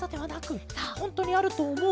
ほんとうにあるとおもう？